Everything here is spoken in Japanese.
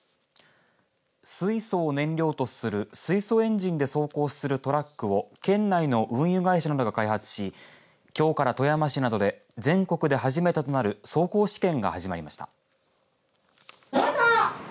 水素を燃料とする水素エンジンで走行するトラックを県内の運輸会社などが開発しきょうから富山市などで全国で初めてとなる走行試験が始まりました。